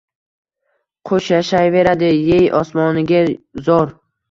Qush yashayverdi-yey osmoniga zor